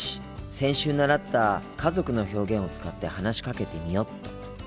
先週習った家族の表現を使って話しかけてみよっと。